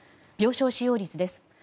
病床使用率です。